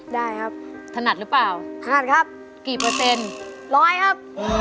ได้ครับถนัดหรือเปล่าถนัดครับกี่เปอร์เซ็นต์ร้อยครับ